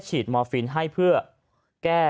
มอร์ฟินให้เพื่อแก้